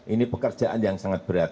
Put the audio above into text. ini pekerjaan yang sangat berat